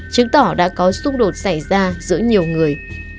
chứng tỏ đã có xung đột xảy ra giữa nhiều người